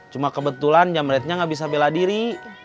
cuma kebetulan jamretnya nggak bisa bela diri